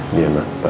diam lah pak